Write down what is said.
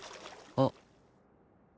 あっ。